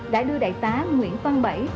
đã đưa đại tá nguyễn phan bảy